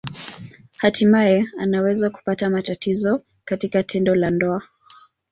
Hatimaye anaweza kupata matatizo katika tendo la ndoa.